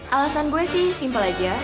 alasan gue sih simpel aja